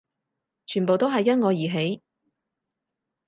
全部都係因我而起